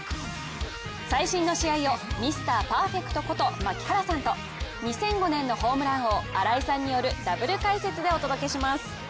最新の試合をミスターパーフェクトこと槙原さんと２００５年のホームラン王、新井さんによるダブル解説でお届けします。